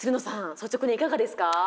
率直にいかがですか。